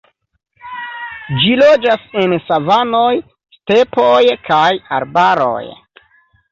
Ĝi loĝas en savanoj, stepoj, kaj arbaroj.